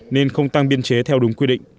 nên không tăng biên chế theo đúng quy định